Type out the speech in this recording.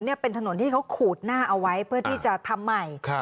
นี่เป็นถนนที่เขาขูดหน้าเอาไว้เพื่อที่จะทำใหม่